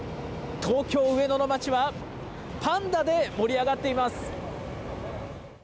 東京・上野の街はパンダで盛り上がっています。